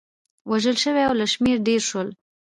وژل شوي له شمېر ډېر شول.